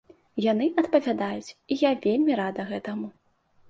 Яны адпавядаюць, і я вельмі рада гэтаму.